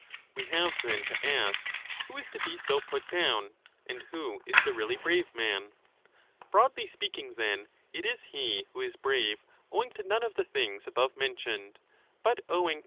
We have then to ask who is to be so put down, and who is the really brave man. Broadly speaking, then, it is he who is brave owing to none of the things above men 36 1191*4 = E.X.